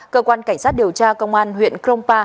cơ quan cảnh sát điều tra công an huyện krongpa